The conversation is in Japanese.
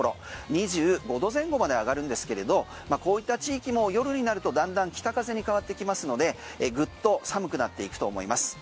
２５度前後まで上がるんですけれどこういった地域も夜になるとだんだん北風に変わってきますのでグッと寒くなっていくと思います。